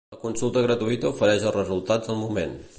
La consulta gratuïta ofereix els resultats al moment.